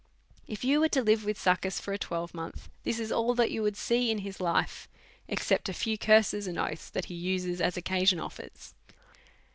If you was to live with Succus for a twelvemonth, this is all that you w^ould see in his life, except a few curses and oaths that he uses as occasion offers.